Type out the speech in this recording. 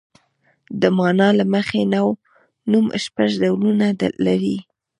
د مانا له مخې نوم شپږ ډولونه لري.